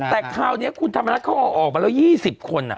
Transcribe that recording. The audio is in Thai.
แต่คราวนี้คุณธรรมนัฐเขาออกมาแล้ว๒๐คน